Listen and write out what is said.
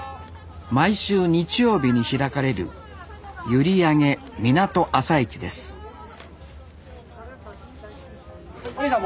毎週日曜日に開かれるゆりあげ港朝市ですさあどうぞ。